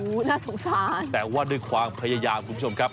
โอ้โหน่าสงสารแต่ว่าด้วยความพยายามคุณผู้ชมครับ